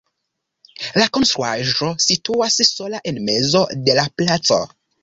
La konstruaĵo situas sola en mezo de la placo.